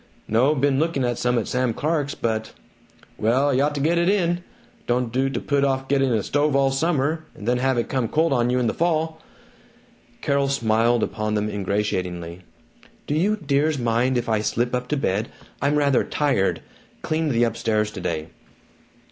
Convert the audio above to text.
"No, been looking at some at Sam Clark's but " "Well, y' ought get 't in. Don't do to put off getting a stove all summer, and then have it come cold on you in the fall." Carol smiled upon them ingratiatingly. "Do you dears mind if I slip up to bed? I'm rather tired cleaned the upstairs today."